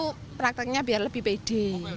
itu prakteknya biar lebih pede